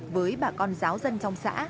với bà con giáo dân trong xã